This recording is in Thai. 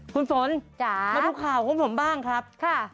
คุณฝนมาดูข่าวของผมบ้างครับ